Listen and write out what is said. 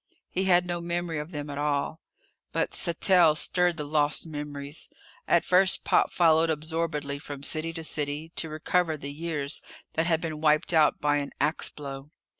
He had no memory of them at all. But Sattell stirred the lost memories. At first Pop followed absorbedly from city to city, to recover the years that had been wiped out by an axe blow.